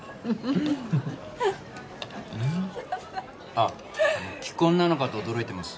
あっ既婚なのかと驚いてます。